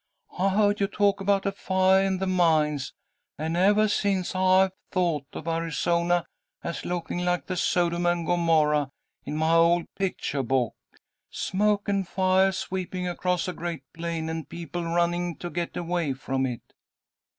I heard you talk about a fiah at the mines, and evah since I've thought of Arizona as looking like the Sodom and Gomorrah in my old pictuah book smoke and fiah sweeping across a great plain, and people running to get away from it."